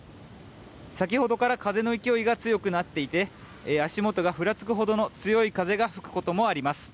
先ほどから風の勢いが強くなっていて足元がふらつくほどの強い風が吹くこともあります。